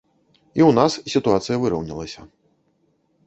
І ў нас сітуацыя выраўнялася.